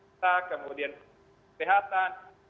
kita kemudian kesehatan